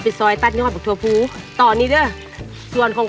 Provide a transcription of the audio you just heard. จังสั้นอ่ะพ่อยก็พอตัวมือเงินมือสร้างก่อนด้ะ